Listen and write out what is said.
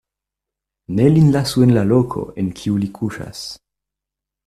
Ne lin lasu en la loko, en kiu li kuŝas.